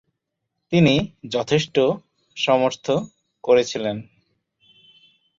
তিনি যথেষ্ট সমর্থ করেছিলেন।